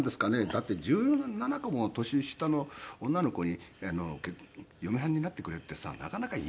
だって１７個も年下の女の子に嫁はんになってくれってさなかなか勇気いりますよね。